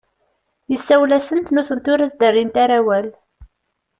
Yessawel-asent, nutenti ur as-d-rrint ara awal.